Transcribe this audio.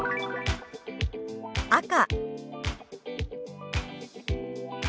「赤」。